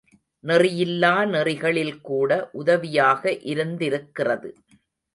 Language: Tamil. நெறியில்லா நெறிகளில்கூட உதவியாக இருந்திருக்கிறது.